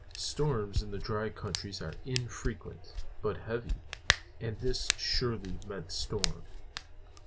Storms in the dry countries are infrequent, but heavy; and this surely meant storm.